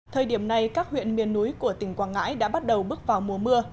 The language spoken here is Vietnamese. thời điểm này các huyện miền núi của tỉnh quảng ngãi đã bắt đầu bước vào mùa mưa